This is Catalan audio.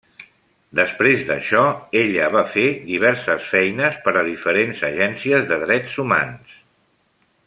Després d'això, ella va ser diverses feines per a diferents agències de drets humans.